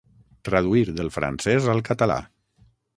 Traduir del francès al català.